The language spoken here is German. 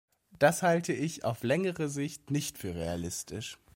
Das halte ich auf längere Sicht nicht für realistisch.